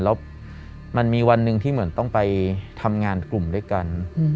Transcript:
แล้วมันมีวันหนึ่งที่เหมือนต้องไปทำงานกลุ่มด้วยกัน